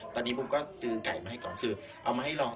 ตอนนี้บุ๋มก็ซื้อไก่มาให้ก่อนคือเอามาให้ลอง